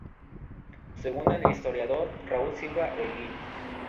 Según el historiador Raúl Silva Holguín.